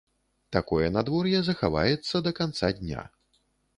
Такое надвор'е захаваецца да канца дня.